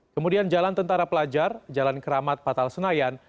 kemudian jalan tentara pelajar jalan keramat patal senayan